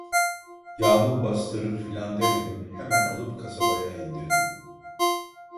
Yağmur bastırır filan demedim, hemen alıp kasabaya indirdim.